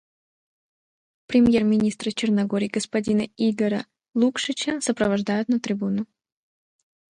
Премьер-министра Черногории господина Игора Лукшича сопровождают на трибуну.